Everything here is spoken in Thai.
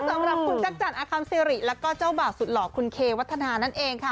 สำหรับคุณจักรจันทร์อาคัมซิริแล้วก็เจ้าบ่าวสุดหล่อคุณเควัฒนานั่นเองค่ะ